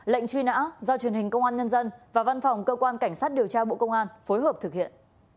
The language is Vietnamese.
lệnh truy nã do truyền hình công an nhân dân và văn phòng cơ quan cảnh sát điều tra bộ công an phối hợp thực hiện